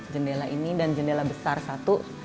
jendela ini dan jendela besar satu